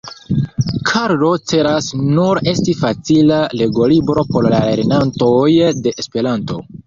Karlo celas nur esti facila legolibro por la lernantoj de Esperanto.